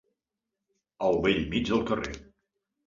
Al bell mig del carrer.